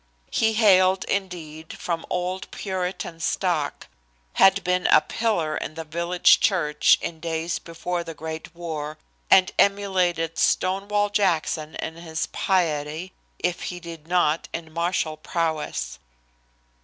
He hailed, indeed, from old Puritan stock; had been a pillar in the village church in days before the great war, and emulated Stonewall Jackson in his piety, if he did not in martial prowess.